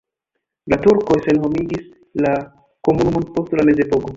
La turkoj senhomigis la komunumon post la mezepoko.